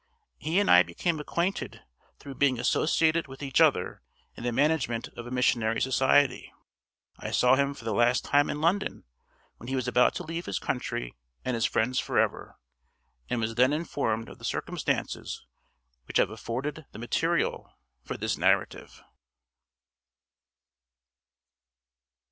He and I became acquainted through being associated with each other in the management of a Missionary Society. I saw him for the last time in London when he was about to leave his country and his friends forever, and was then informed of the circumstances which have afforded the material for this narrative."